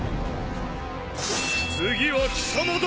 次は貴様だ！